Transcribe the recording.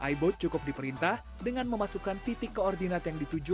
ibote cukup diperintah dengan memasukkan titik koordinat yang dituju